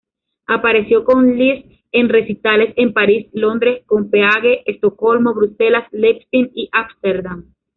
Apareció con Liszt en recitales en París, Londres, Copenhague, Estocolmo, Bruselas, Leipzig y Ámsterdam.